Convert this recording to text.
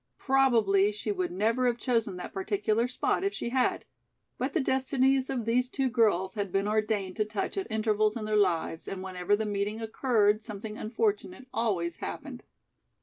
Probably she would never have chosen that particular spot if she had. But the destinies of these two girls had been ordained to touch at intervals in their lives and whenever the meeting occurred something unfortunate always happened.